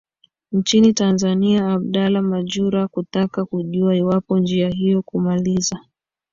nchini tanzania abdala majura kutaka kujua iwapo njia hiyo kumaliza